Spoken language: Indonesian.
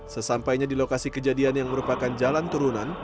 sesampainya di lokasi kejadian yang merupakan jalan turunan